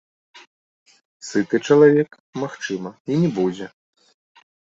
Сыты чалавек, магчыма, і не будзе.